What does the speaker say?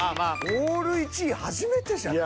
オール１位初めてじゃない？